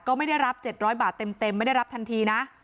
ก็ไม่ได้รับเจ็ดร้อยบาทเต็มเต็มไม่ได้รับทันทีนะ